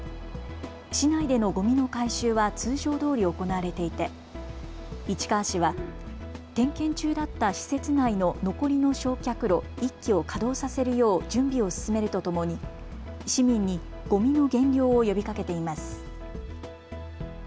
市内でのごみの回収は通常どおり行われていて市川市は点検中だった施設内の残りの焼却炉１基を稼働させるよう準備を進めるとともに市民にごみの減量を呼びかけています。